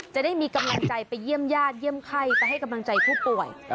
จะได้มีกำลังใจไปเยี่ยมญาติเยี่ยมไข้ไปให้กำลังใจผู้ป่วย